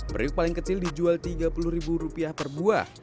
beriuk paling kecil dijual rp tiga puluh per buah